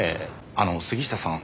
あの杉下さん